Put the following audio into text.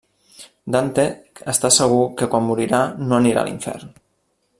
Dante està segur que quan morirà no anirà a l'infern.